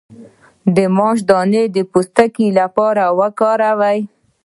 د ماش دانه د پوستکي لپاره وکاروئ